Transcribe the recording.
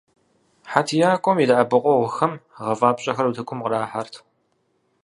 ХьэтиякӀуэм и дэӀэпыкъуэгъухэм гъэфӀапщӀэхэр утыкум кърахьэрт.